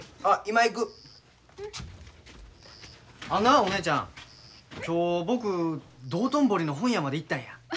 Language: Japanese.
あんなお姉ちゃん今日僕道頓堀の本屋まで行ったんや。